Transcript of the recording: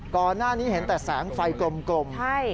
ก่อนหน้านี้เห็นแต่แสงไฟกลม